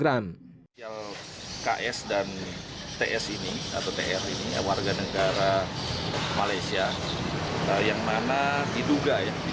kedua warga negara as ini warga negara malaysia yang mana diduga